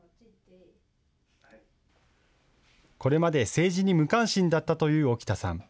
これまで政治に無関心だったという沖田さん。